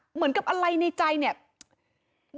เหมือนกับอะไรในใจเนี่ย